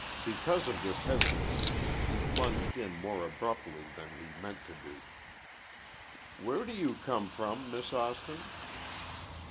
Because of this hesitancy, he plunged in more abruptly than he meant to do. "Where do you come from, Miss Austin?"